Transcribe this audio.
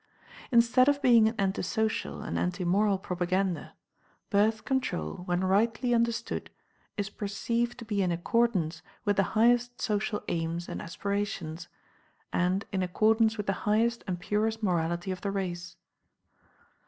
Instead of being an anti social and anti moral propaganda, Birth Control when rightly understood is perceived to be in accordance with the highest social aims and aspirations, and in accordance with the highest and purest morality of the race.